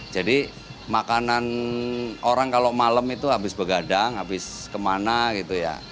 jadi makanan orang kalau malam itu habis begadang habis kemana gitu ya